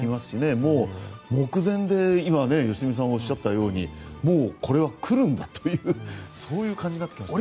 もう目前で今、良純さんがおっしゃったようにもうこれは来るんだというそういう感じになってきましたね。